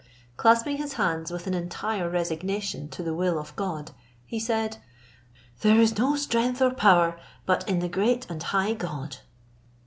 Clasping his hands with an entire resignation to the will of God, he said, "There is no strength or power but in the great and high God."